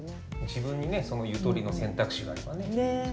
自分にねそのゆとりの選択肢があればね対応できる。